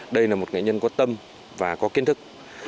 đây là một nghệ nhân có tâm và có kiến thức